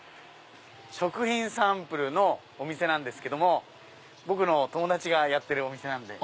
食品サンプルのお店なんですけども僕の友達がやってるお店なんで。